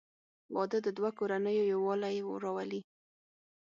• واده د دوه کورنیو یووالی راولي.